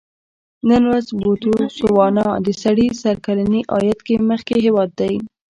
نن ورځ بوتسوانا د سړي سر کلني عاید کې مخکې هېواد دی.